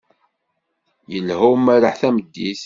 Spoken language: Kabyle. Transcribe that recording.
Ilha umerreḥ tameddit.